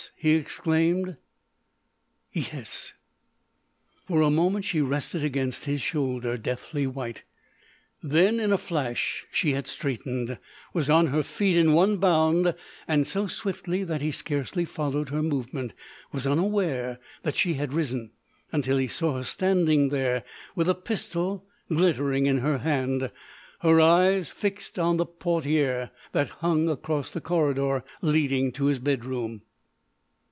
he exclaimed. "Yes." For a moment she rested against his shoulder, deathly white, then in a flash she had straightened, was on her feet in one bound and so swiftly that he scarcely followed her movement—was unaware that she had risen until he saw her standing there with a pistol glittering in her hand, her eyes fixed on the portières that hung across the corridor leading to his bedroom.